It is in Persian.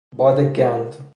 باد گند